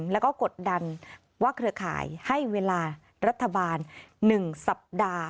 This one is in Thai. แล้วก็กดดันว่าเครือข่ายให้เวลารัฐบาล๑สัปดาห์